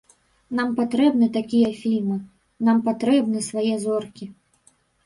Нам патрэбны такія фільмы, нам патрэбны свае зоркі.